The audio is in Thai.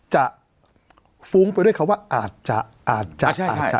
จะฟุ้งไปด้วยเขาว่าอาจจะอาจจะอาจจะ